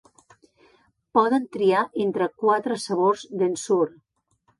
Poden triar entre quatre sabors d'Ensure.